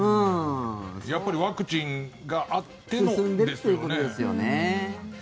やっぱりワクチンがあってのことですよね。